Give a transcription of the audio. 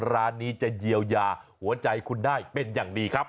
ร้านนี้จะเยียวยาหัวใจคุณได้เป็นอย่างดีครับ